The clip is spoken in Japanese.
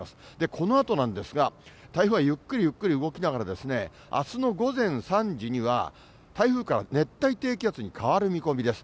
このあとなんですが、台風はゆっくりゆっくり動きながらあすの午前３時には、台風から熱帯低気圧に変わる見込みです。